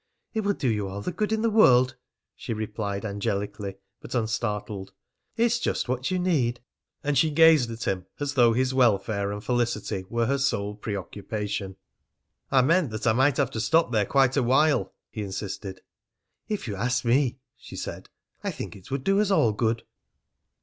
"It will do you all the good in the world," she replied angelically, but unstartled. "It's just what you need." And she gazed at him as though his welfare and felicity were her sole preoccupation. "I meant I might have to stop there quite a while," he insisted. "If you ask me," she said, "I think it would do us all good."